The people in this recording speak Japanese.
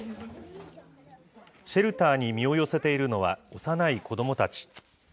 シェルターに身を寄せているのは幼い子どもたち。